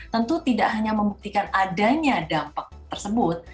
tentu tidak hanya membuktikan adanya dampak tersebut